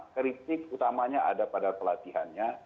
kritik utamanya ada pada pelatihannya